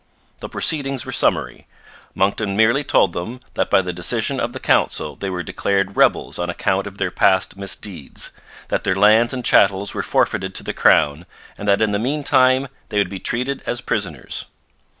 The proceedings were summary. Monckton merely told them that by the decision of the Council they were declared rebels on account of their past misdeeds; that their lands and chattels were forfeited to the crown, and that in the meantime they would be treated as prisoners.